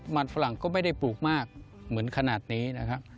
มันฝรั่งก็ไม่ได้ปลูกมากเหมือนขนาดนี้นะครับ